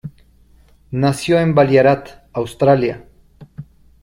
Nació en Ballarat, Australia.